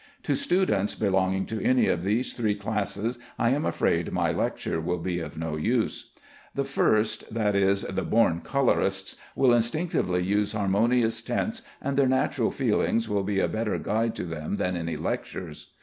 To students belonging to any of these three classes I am afraid my lecture will be of no use. The first that is, the born colorists will instinctively use harmonious tints, and their natural feeling will be a better guide to them than any lectures.